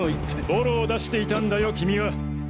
ボロを出していたんだよ君は。